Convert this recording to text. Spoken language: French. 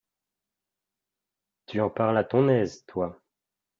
Tu en parles à ton aise, toi !